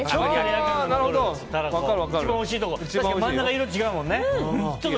確かに、真ん中色違うもんね。